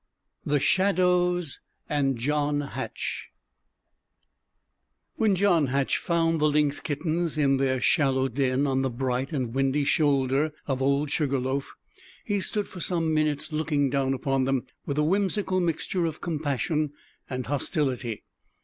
The Shadows and John Hatch When John Hatch found the lynx kittens in their shallow den on the bright and windy shoulder of Old Sugar Loaf, he stood for some minutes looking down upon them with a whimsical mixture of compassion and hostility.